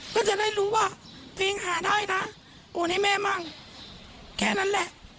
ก็จะได้รู้ว่าเพลงหาได้นะโอนให้แม่มั่งแค่นั้นแหละ